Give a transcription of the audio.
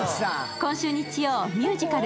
今週日曜ミュージカル